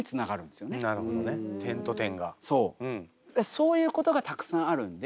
そういうことがたくさんあるんで